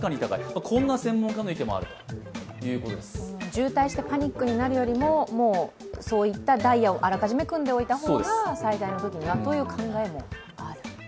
渋滞してパニックになるよりもそういったダイヤをあらかじめ組んでおいた方が、災害のときにはという考えもある。